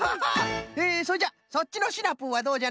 えそれじゃそっちのシナプーはどうじゃな？